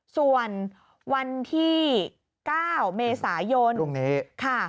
ส่วนวันที่๙เมษายนค่ะ